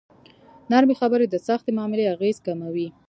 نرمې خبرې د سختې معاملې اغېز کموي.